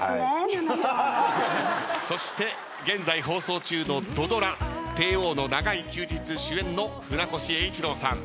そして現在放送中の土ドラ『テイオーの長い休日』主演の船越英一郎さん。